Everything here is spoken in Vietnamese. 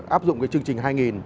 áp dụng cái chương trình hai nghìn